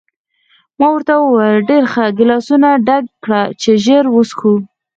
ما ورته وویل: ډېر ښه، ګیلاسونه ډک کړه چې ژر وڅښو.